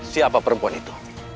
siapa perempuan itu